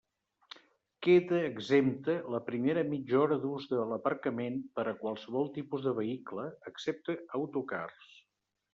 Queda exempta la primera mitja hora d'ús de l'aparcament per a qualsevol tipus de vehicle, excepte autocars.